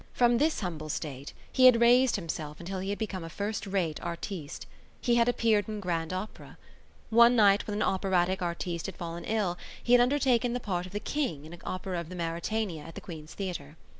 From this humble state he had raised himself until he had become a first rate artiste. He had appeared in grand opera. One night, when an operatic artiste had fallen ill, he had undertaken the part of the king in the opera of Maritana at the Queen's Theatre.